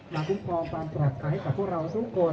มาคุ้มพลปราบปลอดภัยให้เราสู้กล